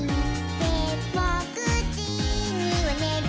「でも９じにはねる」